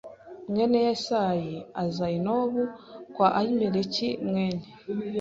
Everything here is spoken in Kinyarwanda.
mwene Yesayi aza i Nobu kwa Ahimeleki mwene